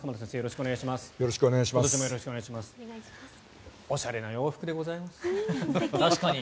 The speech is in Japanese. おしゃれな洋服でございます。